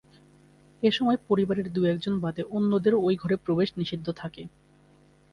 এ সময় পরিবারের দুএকজন বাদে অন্যদেরও ওই ঘরে প্রবেশ নিষিদ্ধ থাকে।